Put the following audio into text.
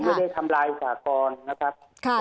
ผมไม่ได้ทำลายสหกรนะครับ